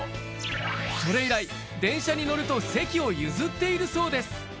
それ以来、電車に乗ると席を譲っているそうです。